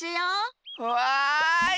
わい！